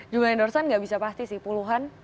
jumlah endorsement nggak bisa pasti sih puluhan